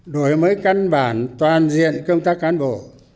đổi mới căn bản toàn diện công tác cán bộ